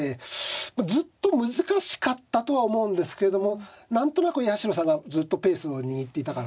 ずっと難しかったとは思うんですけれども何となく八代さんがずっとペースを握っていたかな。